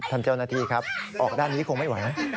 ท่านเจ้าหน้าที่ครับออกด้านนี้คงไม่ไหว